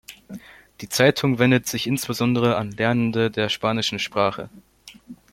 Die Zeitung wendet sich insbesondere an Lernende der spanischen Sprache.